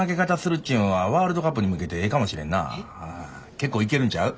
結構いけるんちゃう？